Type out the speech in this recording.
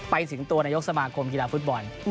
ไปถึงตัวนายกสมาคมกีฬาฟุตบอล